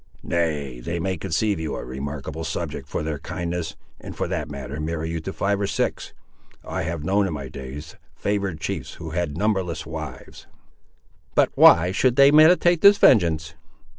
"Nay, they may conceive you a remarkable subject for their kindness, and for that matter marry you to five or six. I have known, in my days, favoured chiefs who had numberless wives." "But why should they meditate this vengeance?"